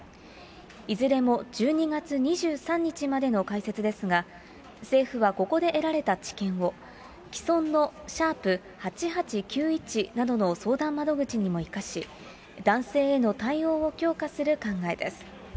いずれも１２月２３日までの開設ですが、政府はここで得られた知見を、既存の＃８８９１などの相談窓口にも生かし、男性への対応を強化する考えです。